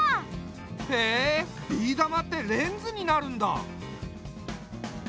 へえビー玉ってレンズになるんだ。